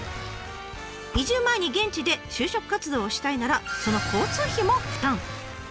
移住前に現地で就職活動をしたいならその交通費も負担。